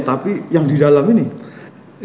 tapi yang di dalam ini